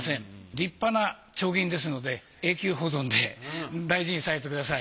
立派な丁銀ですので永久保存で大事にされてください。